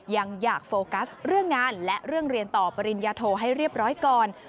ยังอยากโฟกัสเรื่องงานและเรื่องเรียนต่อปริญญาโทให้เรียบร้อยก่อน